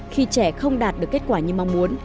khi trẻ không đạt được kết quả như mong muốn